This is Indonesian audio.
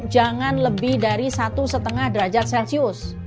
jangan lebih dari satu lima derajat celcius